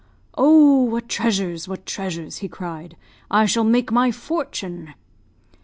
'Oh, what treasures! what treasures!' he cried. 'I shall make my fortune!'